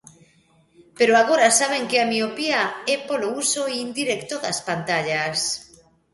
Pero agora saben que a miopía é polo uso indirecto das pantallas.